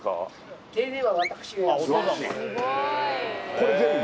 これ全部？